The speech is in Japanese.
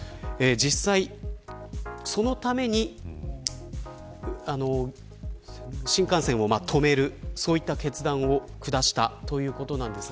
実際そのために新幹線を止めるそういった決断を下したということです。